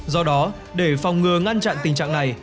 do đó để phòng ngừa ngăn chặn tình trạng này